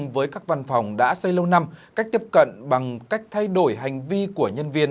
văn phòng đã xây lâu năm cách tiếp cận bằng cách thay đổi hành vi của nhân viên